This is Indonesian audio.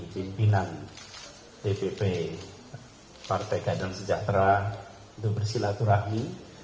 pimpinan dpp partai keadilan sejahtera untuk bersilaturahmi